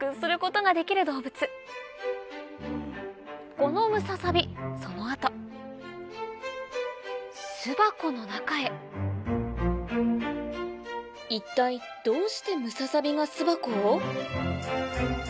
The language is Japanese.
このムササビその後巣箱の中へ一体どうしてムササビが巣箱を？